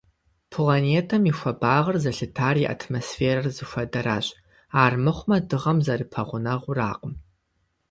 Планетэм и хуэбагъыр зэлъытар и атмосферэр зыхуэдэращ, армыхъумэ Дыгъэм зэрыпэгъунэгъуракъым.